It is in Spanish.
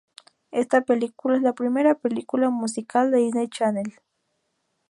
Esta película es la primera película musical de Disney Channel.